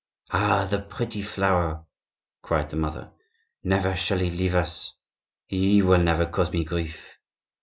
"Ah, the pretty flower!" cried the mother. "Never shall he leave us! He will never cause me grief."